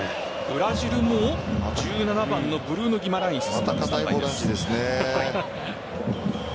ブラジルも１７番のブルーノ・ギマランイス。